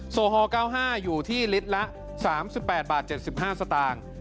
โซฮอล๙๕อยู่ที่ลิตรละ๓๘บาท๗๕สตางค์